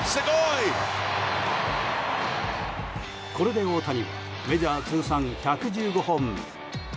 これで大谷はメジャー通算１１５本目。